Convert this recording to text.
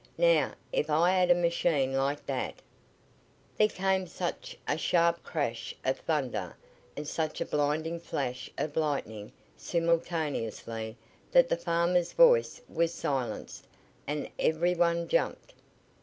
Now, ef I had a machine like thet " There came such a sharp crash of thunder and such a blinding flash of lightning simultaneously that the farmer's voice was silenced, and every one jumped.